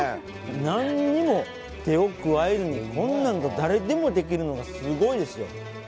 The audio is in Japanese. なんにも手を加えずに、こんなんが誰でも出来るのがすごいですよ。